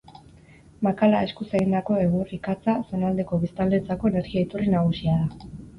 Makala, eskuz egindako egur-ikatza, zonaldeko biztanleentzako energia iturri nagusia da.